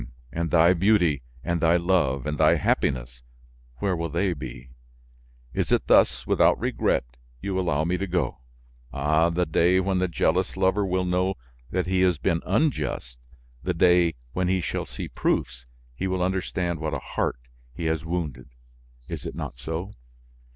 and thy beauty, and thy love, and thy happiness, where will they be? Is it thus, without regret, you allow me to go? Ah! the day when the jealous lover will know that he has been unjust, the day when he shall see proofs, he will understand what a heart he has wounded, is it not so?